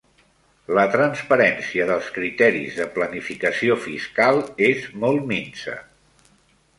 La transparència dels criteris de planificació fiscal és molt minsa.